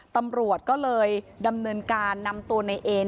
ตำรวจก็เลยดำเนินการนำตัวในเอน